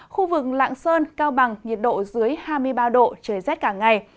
khu vực lạng sơn cao bằng nhiệt độ dưới hai mươi ba độ trời rét cả ngày